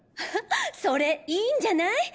それいいんじゃない？